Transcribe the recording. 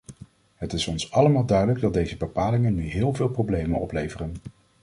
Het is ons allemaal duidelijk dat deze bepalingen nu heel veel problemen opleveren.